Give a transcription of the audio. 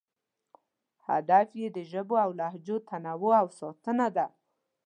هدف یې د ژبو او لهجو تنوع او ساتنه ده.